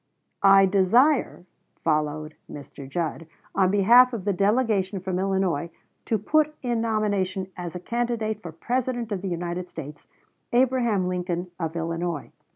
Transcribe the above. "I desire," followed Mr. Judd, "on behalf of the delegation from Illinois, to put in nomination as a candidate for President of the United States, Abraham Lincoln of Illinois."